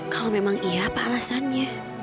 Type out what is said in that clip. kalau memang iya apa alasannya